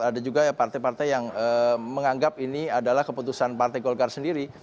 ada juga partai partai yang menganggap ini adalah keputusan partai golkar sendiri